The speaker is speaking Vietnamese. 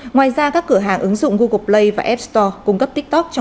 ngoài ra các cửa hàng ứng dụng google play và app store cung cấp tiktok cho